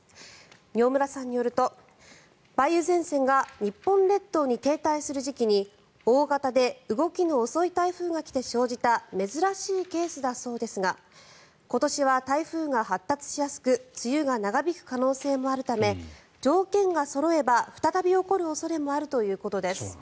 饒村さんによると、梅雨前線が日本列島に停滞する時期に大型で動きの遅い台風が来て生じた珍しいケースだそうですが今年は台風が発達しやすく梅雨が長引く可能性もあるため条件がそろえば再び起こる可能性もあるということです。